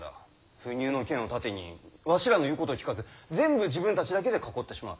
不入の権を盾にわしらの言うことを聞かず全部自分たちだけで囲ってしまう。